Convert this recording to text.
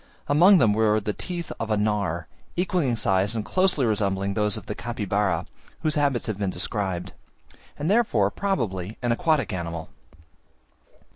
Among them were the teeth of a gnawer, equalling in size and closely resembling those of the Capybara, whose habits have been described; and therefore, probably, an aquatic animal.